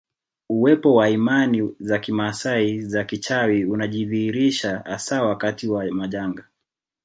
Uwepo wa imani za kimaasai za kichawi unajidhihirisha hasa katika wakati wa majanga